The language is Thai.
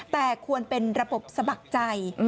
แต่ควรเป็นระบบสมัครใจ